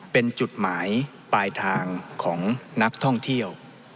เป็นจุดหมายปลายทางของนักท่องเที่ยว